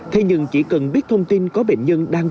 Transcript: thế nhưng chỉ cần biết thông tin có bệnh nhân đang